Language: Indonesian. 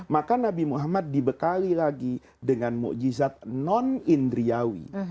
maka nabi muhammad dibekali lagi dengan mukjizat non indriawi